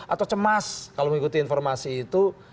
atau cemas kalau mengikuti informasi itu